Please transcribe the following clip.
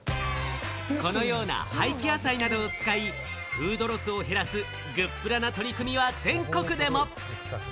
このような廃棄野菜などを使い、フードロスを減らすグップラな取り組みは全国でも。